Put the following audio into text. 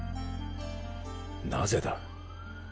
なぜだ？